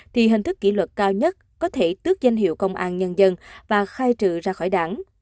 thì hình thức kỷ luật cao nhất có thể tước danh hiệu công an nhân dân và khai trừ ra khỏi đảng